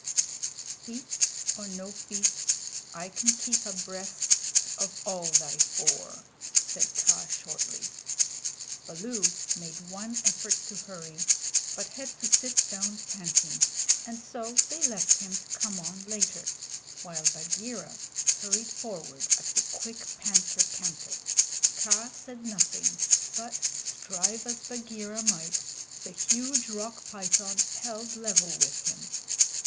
"Feet or no feet, I can keep abreast of all thy four," said Kaa shortly. Baloo made one effort to hurry, but had to sit down panting, and so they left him to come on later, while Bagheera hurried forward, at the quick panther canter. Kaa said nothing, but, strive as Bagheera might, the huge Rock python held level with him.